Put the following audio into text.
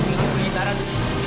pak turunin cita pak